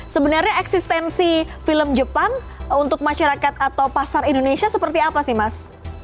sebenarnya eksistensi film jepang untuk masyarakat atau pasar indonesia seperti apa sih mas